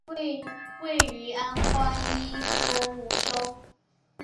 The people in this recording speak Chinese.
位于阿夸伊博姆州。